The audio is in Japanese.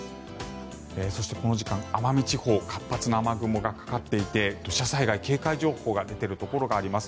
そしてこの時間、奄美地方活発な雨雲がかかっていて土砂災害警戒情報が出ているところがあります。